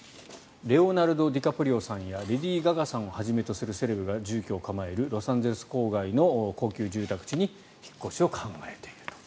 レオナルド・ディカプリオさんやレディー・ガガさんをはじめとするセレブが住居を構えるロサンゼルス郊外の高級住宅地に引っ越しを考えていると。